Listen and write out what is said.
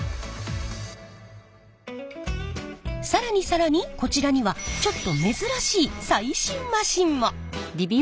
更に更にこちらにはちょっと珍しい最新マシンも！